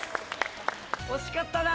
惜しかったな！